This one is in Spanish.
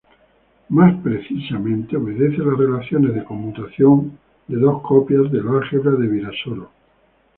Más precisamente, obedece las relaciones de conmutación de dos copias del álgebra de Virasoro.